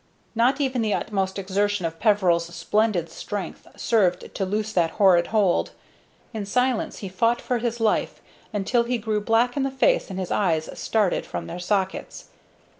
Not even the utmost exertion of Peveril's splendid strength served to loose that horrid hold. In silence he fought for his life, until he grew black in the face and his eyes started from their sockets.